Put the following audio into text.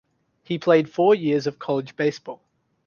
He played four years of college baseball.